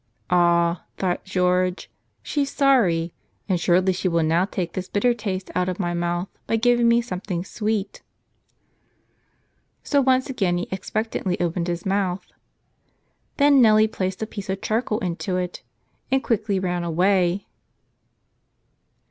"Ah," thought George, "she's sorry, and surely she will now take this bitter taste out of my mouth by giving me something sweet." So once again he ex¬ pectantly opened his mouth. Then Nellie placed a piece of charcoal into it and quickly ran away.